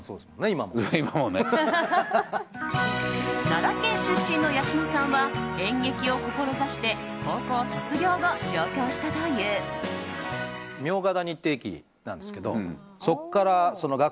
奈良県出身の八嶋さんは演劇を志して高校卒業後、上京したという。